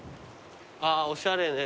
あーおしゃれね。